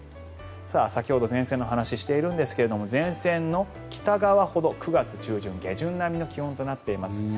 先ほど前線の話をしているんですが前線の北側ほど９月中旬、下旬ほどの気温となっています。